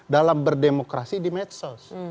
dalam berdemokrasi di medsos